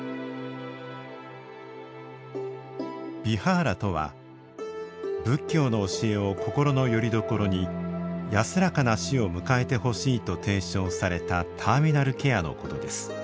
ビハーラとは仏教の教えを心のよりどころに安らかな死を迎えてほしいと提唱されたターミナルケアのことです。